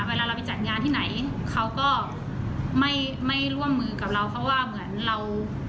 เวลาเราไปจัดงานที่ไหนเขาก็ไม่ไม่ร่วมมือกับเราเพราะว่าเหมือนเรา